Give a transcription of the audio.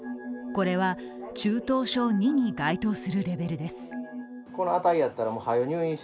これは中等症Ⅱに該当するレベルです。